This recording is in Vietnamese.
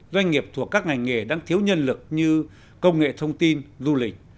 doanh nghiệp thuộc các ngành nghề đang thiếu nhân lực như công nghệ thông tin du lịch